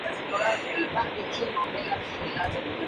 Los oficiales eran una especie de familia.